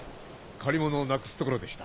借り物をなくすところでした。